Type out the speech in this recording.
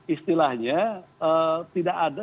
istilahnya tidak ada